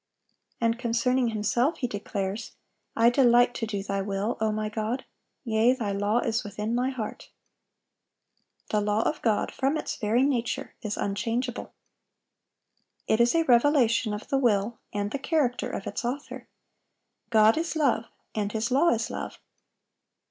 (783) And concerning Himself He declares, "I delight to do Thy will, O My God: yea, Thy law is within My heart."(784) The law of God, from its very nature, is unchangeable. It is a revelation of the will and the character of its Author. God is love, and His law is love.